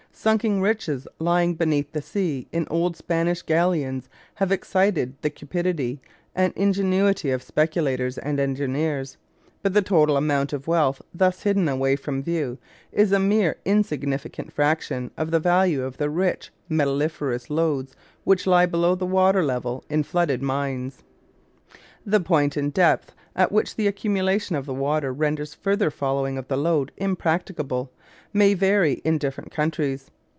Sunken riches lying beneath the sea in old Spanish galleons have excited the cupidity and the ingenuity of speculators and engineers; but the total amount of wealth thus hidden away from view is a mere insignificant fraction of the value of the rich metalliferous lodes which lie below the water level in flooded mines. The point in depth at which the accumulation of the water renders further following of the lode impracticable may vary in different countries.